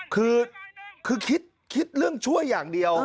คือคิดเรื่องช่วยอย่างเดียว